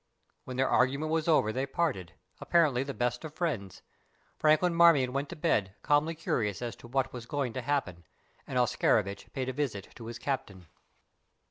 When their argument was over they parted, apparently the best of friends. Franklin Marmion went to bed calmly curious as to what was going to happen, and Oscarovitch paid a visit to his captain.